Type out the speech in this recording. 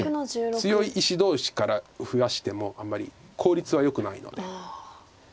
強い石同士から増やしてもあんまり効率はよくないので。